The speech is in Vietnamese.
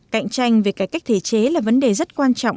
cạnh tranh về cải cách thể chế là vấn đề rất quan trọng